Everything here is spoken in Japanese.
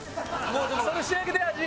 それ仕上げて味。